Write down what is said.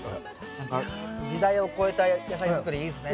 何か時代を超えた野菜づくりいいですね。